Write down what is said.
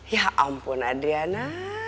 ya ampun adriana